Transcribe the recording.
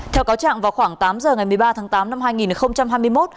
theo cáo trạng vào khoảng tám giờ ngày một mươi ba tháng tám năm hai nghìn hai mươi một